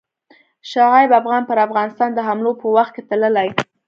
شعیب افغان پر افغانستان د حملو په وخت کې تللی.